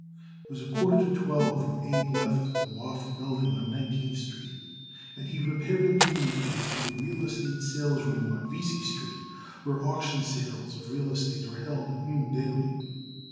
It was a quarter to twelve when Abe left the loft building on Nineteenth Street, and he repaired immediately to the real estate salesroom on Vesey Street, where auction sales of real estate are held at noon daily.